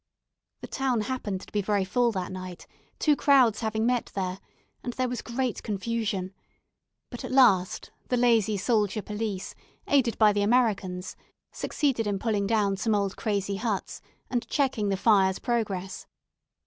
The town happened to be very full that night, two crowds having met there, and there was great confusion; but at last the lazy soldier police, aided by the Americans, succeeded in pulling down some old crazy huts, and checking the fire's progress.